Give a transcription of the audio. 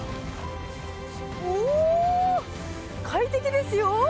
お快適ですよ！